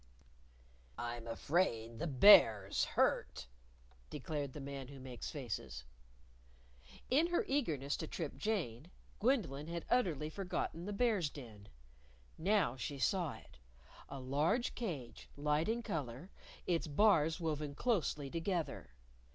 "I'm afraid the Bear's hurt," declared the Man Who Makes Faces. In her eagerness to trip Jane, Gwendolyn had utterly forgotten the Bear's Den. Now she saw it a large cage, light in color, its bars woven closely together.